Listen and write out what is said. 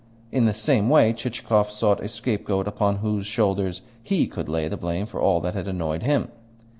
In the same way Chichikov sought a scapegoat upon whose shoulders he could lay the blame for all that had annoyed him.